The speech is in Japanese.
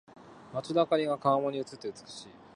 街の灯りが川面に映って美しい。